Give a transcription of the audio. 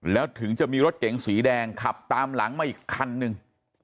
แล้วถึงจะมีรถเก๋งสีแดงขับตามหลังมาอีกคันนึง